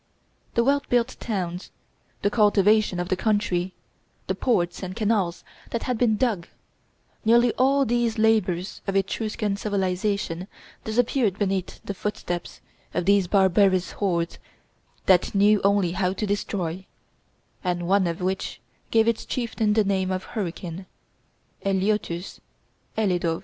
The well built towns, the cultivation of the country, the ports and canals that had been dug, nearly all these labors of Etruscan civilization disappeared beneath the footsteps of these barbarous hordes that knew only how to destroy, and one of which gave its chieftain the name of Hurricane (Elitorius, Ele Dov).